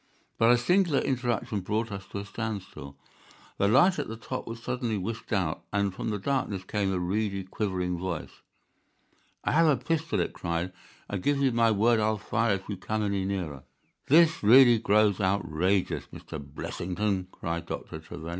But a singular interruption brought us to a standstill. The light at the top was suddenly whisked out, and from the darkness came a reedy, quivering voice. "I have a pistol," it cried. "I give you my word that I'll fire if you come any nearer." "This really grows outrageous, Mr. Blessington," cried Dr. Trevelyan.